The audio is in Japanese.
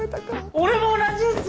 俺も同じっす！